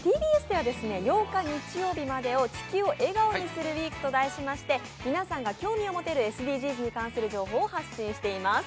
ＴＢＳでは８日日曜日までを「地球を笑顔にするＷＥＥＫ」と題しまして皆さんが興味を持てるＳＤＧｓに関する情報を発信しています。